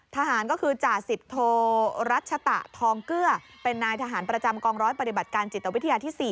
ทหารก็คือจ่าสิบโทรัชตะทองเกลือเป็นนายทหารประจำกองร้อยปฏิบัติการจิตวิทยาที่๔